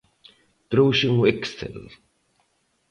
Trouxen o Excel.